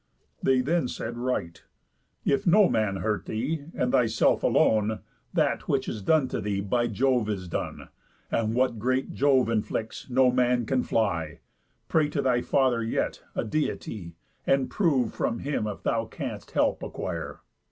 They then said right, 'If no man hurt thee, and thyself alone, That which is done to thee by Jove is done; And what great Jove inflicts no man can fly. Pray to thy Father yet, a Deity, And prove, from him if thou canst help acquire.